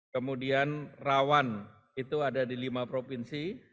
kemudian rawan itu ada di lima provinsi